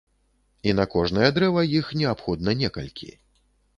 І на кожнае дрэва іх неабходна некалькі.